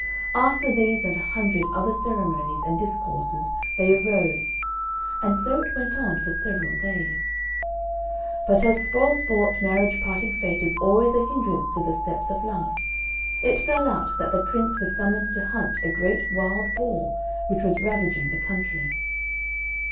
After these and a hundred other ceremonies and discourses they arose. And so it went on for several days. But as spoil sport, marriage parting Fate is always a hindrance to the steps of Love, it fell out that the Prince was summoned to hunt a great wild boar which was ravaging the country.